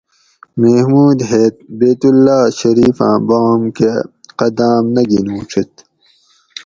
محمود ھیت بیت اللّہ شریفاۤں بام کہ قداۤم نہ گِنوڛیت